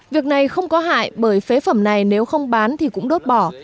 việc này không có hại bởi phế phẩm này nếu không bán thì cũng đốt bỏ